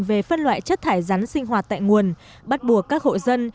về phân loại chất thải rắn sinh hoạt tại nguồn bắt buộc các hộ dân